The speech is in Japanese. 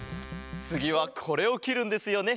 つぎはこれをきるんですよね。